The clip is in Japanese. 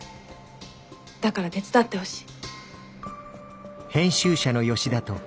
だから手伝ってほしい。